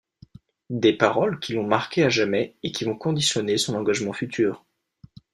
Des paroles qui l’ont marqué à jamais et qui vont conditionner son engagement futur.